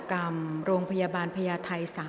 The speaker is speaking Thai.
กรรมการท่านที่สองได้แก่กรรมการใหม่เลขหนึ่งค่ะ